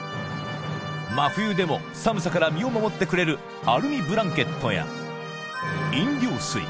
真冬でも寒さから身を守ってくれるアルミブランケットや飲料水